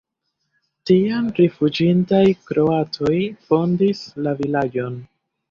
Tiam rifuĝintaj kroatoj fondis la vilaĝon.